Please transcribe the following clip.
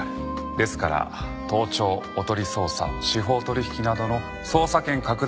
ですから盗聴おとり捜査司法取引などの捜査権拡大が必要なわけです。